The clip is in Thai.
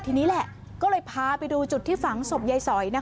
ทีนี้แหละก็เลยพาไปดูจุดที่ฝังศพยายสอย